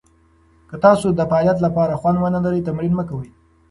که تاسو د فعالیت لپاره خوند ونه لرئ، تمرین مه کوئ.